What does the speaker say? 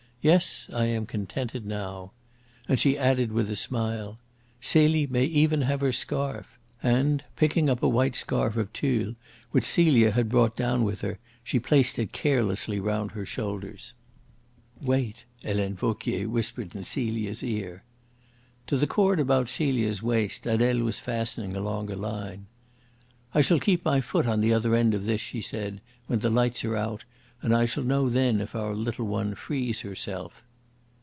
"Yes, I am contented now." And she added, with a smile, "Celie may even have her scarf," and, picking up a white scarf of tulle which Celia had brought down with her, she placed it carelessly round her shoulders. "Wait!" Helene Vauquier whispered in Celia's ear. To the cord about Celia's waist Adele was fastening a longer line. "I shall keep my foot on the other end of this," she said, "when the lights are out, and I shall know then if our little one frees herself."